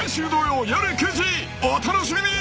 ［お楽しみに！］